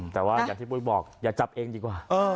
แต่ว่าอย่างที่ปุ้ยบอกอย่าจับเองดีกว่า